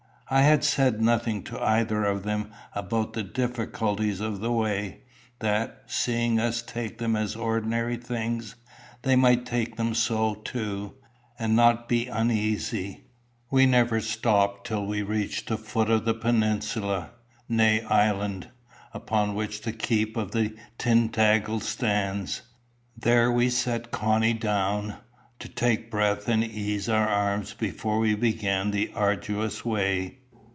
I had said nothing to either of them about the difficulties of the way, that, seeing us take them as ordinary things, they might take them so too, and not be uneasy. We never stopped till we reached the foot of the peninsula, née island, upon which the keep of Tintagel stands. There we set Connie down, to take breath and ease our arms before we began the arduous way.